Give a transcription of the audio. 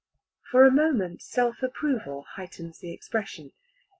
For a moment self approval heightens the expression.